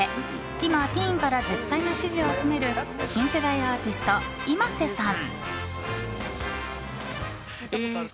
今、ティーンから絶大な支持を集める新世代アーティストｉｍａｓｅさん。